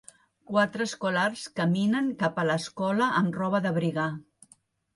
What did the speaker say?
Quatre escolars caminen cap a l'escola amb roba d'abrigar.